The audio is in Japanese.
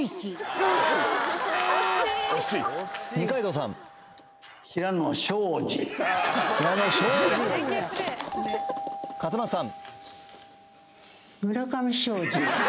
二階堂さん勝又さん